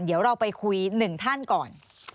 เดี๋ยวเราไปคุย๑ท่านก่อน